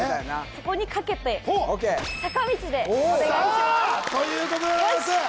そこにかけて坂道でお願いしますということでございます